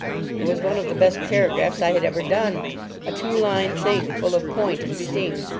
It was one of the best paragraphs I had ever done. A two line thing, full of point and sting.